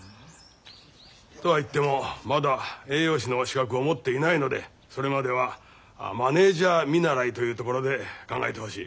とはいってもまだ栄養士の資格を持っていないのでそれまではマネージャー見習いというところで考えてほしい。